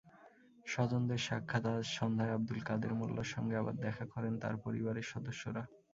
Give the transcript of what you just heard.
স্বজনদের সাক্ষাৎআজ সন্ধ্যায় আবদুল কাদের মোল্লার সঙ্গে আবার দেখা করেন তাঁর পরিবারের সদস্যরা।